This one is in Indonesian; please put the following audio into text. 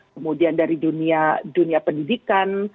kemudian dari dunia pendidikan